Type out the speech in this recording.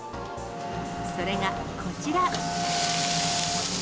それがこちら。